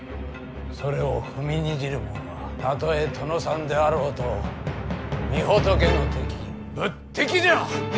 それを踏みにじるもんはたとえ殿さんであろうと御仏の敵仏敵じゃ！